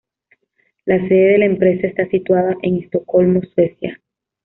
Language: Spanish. La sede de la empresa está situada en Estocolmo, Suecia.